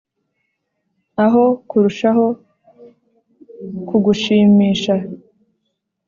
aho kurushaho kugushimisha